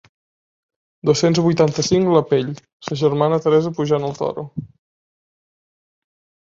Dos-cents vuitanta-cinc la pell, sa germana Teresa pujant el Toro.